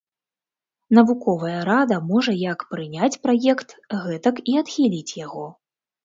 Навуковая рада можа як прыняць праект, гэтак і адхіліць яго.